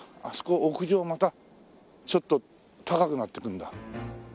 あそこ屋上またちょっと高くなってくるんだ。